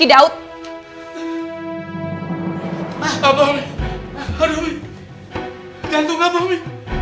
umi apa kenapa sih umi